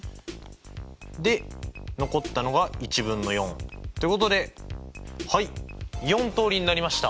で残ったのが１分の４ってことで４通りになりました。